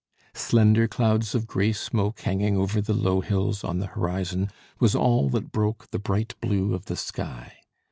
Slender clouds of grey smoke hanging over the low hills on the horizon, was all that broke the bright blue of the sky.